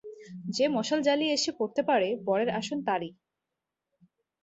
যে মশাল জ্বালিয়ে এসে পড়তে পারে বরের আসন তারই।